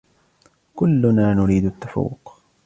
كلنا نريد التفوق.